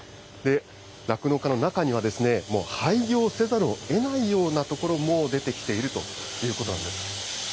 酪農家の中には、もう廃業せざるをえないような所も出てきているということなんです。